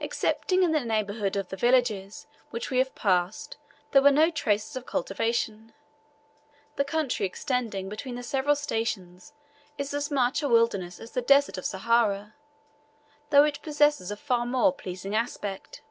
Excepting in the neighbourhood of the villages which we have passed there were no traces of cultivation. The country extending between the several stations is as much a wilderness as the desert of Sahara, though it possesses a far more pleasing aspect.